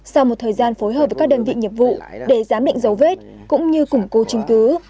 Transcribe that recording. sau một thời gian phối hợp với các đơn vị nghiệp vụ để giám định dấu vết cũng như củng cố chứng cứ